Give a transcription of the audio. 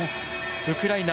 ウクライナ。